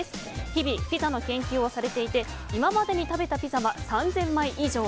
日々、ピザの研究をされていて今までに食べたピザは３０００枚以上。